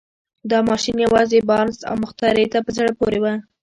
دا ماشين يوازې بارنس او مخترع ته په زړه پورې و.